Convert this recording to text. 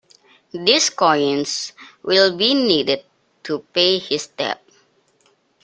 These coins will be needed to pay his debt.